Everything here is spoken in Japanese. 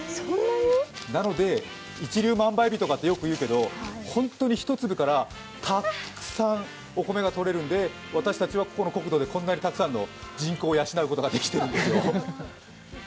なので、一粒万倍日ってよく言うけどホントに１粒からたくさんお米がとれるんで私たちはここの国土でこんなにたくさんの人口を養うことができているんですよ。